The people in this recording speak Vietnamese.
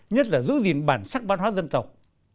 nhất là giữ gìn bản sắc văn hóa dân tộc